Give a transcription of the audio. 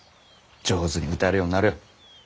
上手に歌えるようになるよ。